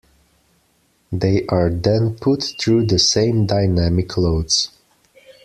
They are then put through the same dynamic loads.